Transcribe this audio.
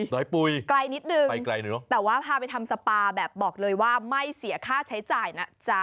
อยปุ๋ยไกลนิดนึงไกลเนอะแต่ว่าพาไปทำสปาแบบบอกเลยว่าไม่เสียค่าใช้จ่ายนะจ๊ะ